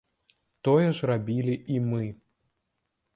Тое ж рабілі і мы.